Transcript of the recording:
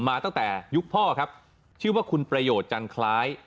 มาตั้งแต่ยุคพ่อครับชื่อว่าคุณประโยชน์จันคล้าย